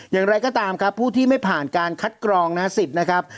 อย่างไรก็ตามครับผู้ที่ไม่ผ่านการคัดกรองนะฮะสิทธิ์นะครับ